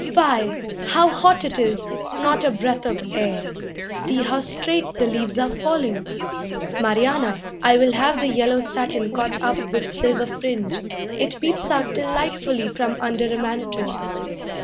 Fie, how hot it is, not a breath of air! See how straight the leaves are falling. Marianna, I will have the yellow satin caught up with silver fringe, It peeps out delightfully from under a mantle.